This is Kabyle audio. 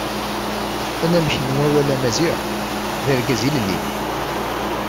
Anamek n wawal Amaziɣ d Argaz ilelli.